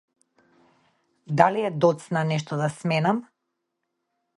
Дали е доцна нешто да сменам?